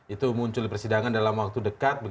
itu muncul di persidangan dalam waktu dekat